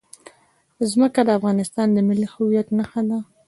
ځمکه د افغانستان د ملي هویت نښه ده.